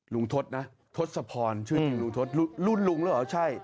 ทศนะทศพรชื่อจริงลุงทศรุ่นลุงแล้วเหรอใช่